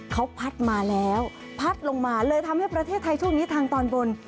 เขาพัดมาแล้วพัดลงมาเลยทำให้ประเทศไทยช่วงนี้ทางตอนบน